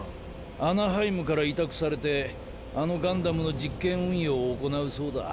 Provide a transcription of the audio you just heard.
「アナハイム」から委託されてあのガンダムの実験運用を行うそうだ。